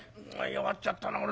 「弱っちゃったな。